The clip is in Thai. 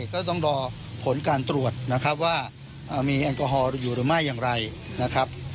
ก็ต้องรอผลการตรวจนะครับว่ามีแอลกอฮอลอยู่หรือไม่อย่างไรนะครับ